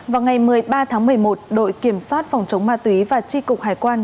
vào ngày một mươi ba tháng một mươi một đội kiểm soát phòng chống ma túy và tri cục hải quan